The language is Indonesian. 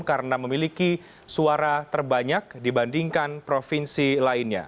karena memiliki suara terbanyak dibandingkan provinsi lainnya